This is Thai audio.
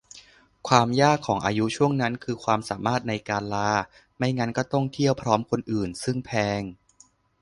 ความยากของอายุช่วงนั้นคือความสามารถในการลา ไม่งั้นก็ต้องเที่ยวพร้อมคนอื่น ซึ่งแพง